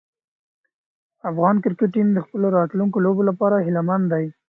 افغان کرکټ ټیم د خپلو راتلونکو لوبو لپاره هیله مند دی.